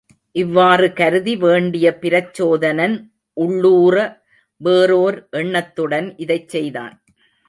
இவ்வாறு கருதி வேண்டிய பிரச்சோதனன் உள்ளூற வேறோர் எண்ணத்துடன் இதைச் செய்தான்.